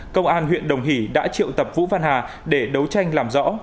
công an huyện đồng hỷ đã triệu tập vũ văn hà để đấu tranh làm rõ